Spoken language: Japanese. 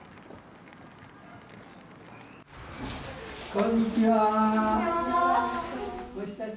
こんにちは。